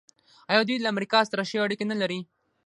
آیا دوی له امریکا سره ښې اړیکې نلري؟